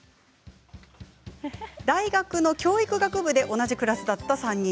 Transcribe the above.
大学の教育学部で同じクラスだった３人。